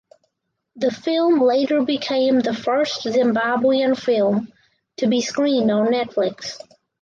The film later became the first Zimbabwean film to be screened on Netflix.